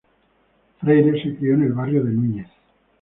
Freire se crio en el barrio de Núñez.